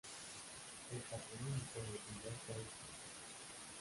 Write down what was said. El patronímico de Gilberto es Gil.